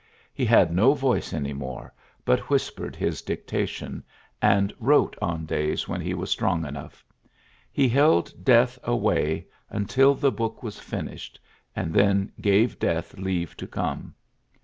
He had no voice any more, but whispered his dictation^ and wrote on days when he was strong enough. He held death away until the book was finished, and then gave death leave to come.